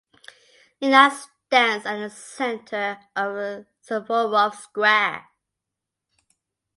It now stands at the centre of Suvorov Square.